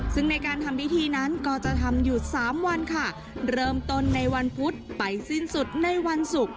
ซึ่งในการทำพิธีนั้นก็จะทำอยู่สามวันค่ะเริ่มต้นในวันพุธไปสิ้นสุดในวันศุกร์